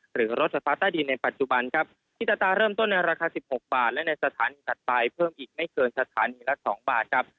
หรือรถไฟฟ้าใต้ดินในปัจจุบันครับที่อัตราเริ่มต้นในราคาสิบหกบาทและในสถานีถัดไปเพิ่มอีกไม่เกินสถานีละ๒บาทครับ